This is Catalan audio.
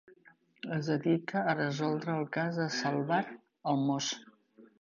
Es dedica a resoldre el cas i salvar el Moss.